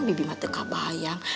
bibi mati kebayang